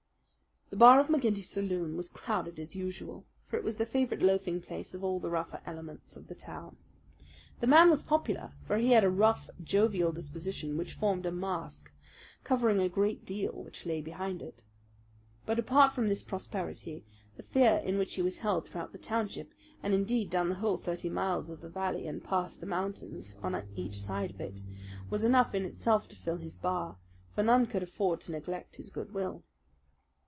The bar of McGinty's saloon was crowded as usual; for it was the favourite loafing place of all the rougher elements of the town. The man was popular; for he had a rough, jovial disposition which formed a mask, covering a great deal which lay behind it. But apart from this popularity, the fear in which he was held throughout the township, and indeed down the whole thirty miles of the valley and past the mountains on each side of it, was enough in itself to fill his bar; for none could afford to neglect his good will.